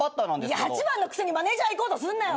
８番のくせにマネジャーいこうとすんなよ！